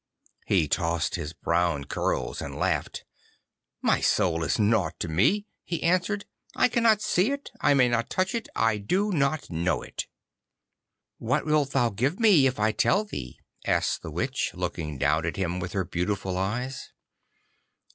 He tossed his brown curls and laughed. 'My soul is nought to me,' he answered. 'I cannot see it. I may not touch it. I do not know it.' 'What wilt thou give me if I tell thee?' asked the Witch, looking down at him with her beautiful eyes.